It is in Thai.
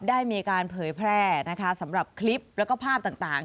ได้มีการเผยแพร่นะคะสำหรับคลิปแล้วก็ภาพต่าง